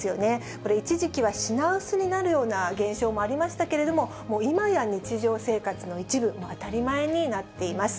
これ、一時期は品薄になるような現象もありましたけれども、今や日常生活の一部、当たり前になっています。